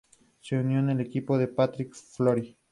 Se unió al equipo de Patrick Fiori.